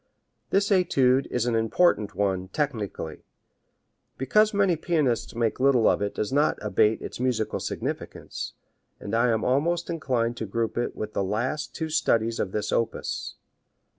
This etude is an important one, technically; because many pianists make little of it that does not abate its musical significance, and I am almost inclined to group it with the last two studies of this opus.